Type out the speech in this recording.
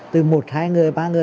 từ một hai người ba người